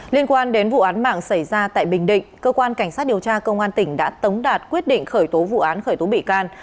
liên quan đến vụ án mạng xảy ra tại bình định cơ quan cảnh sát điều tra công an tỉnh đã tống đạt quyết định khởi tố vụ án khởi tố bị can